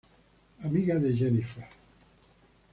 Amiga de Jennifer.